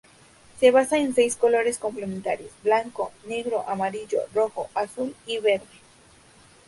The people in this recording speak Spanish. Se basa en seis colores complementarios: blanco, negro, amarillo, rojo, azul y verde.